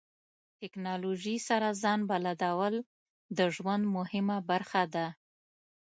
ټکنالوژي سره ځان بلدول د ژوند مهمه برخه ده.